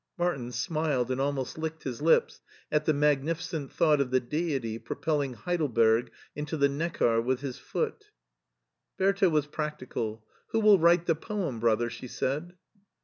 Martin smiled and almost licked his lips at the magnificent thought of the Deity pro pelling Heidelberg into the Neckar with His foot. Bertha was practical. " Who will write the poem, brother?" she said.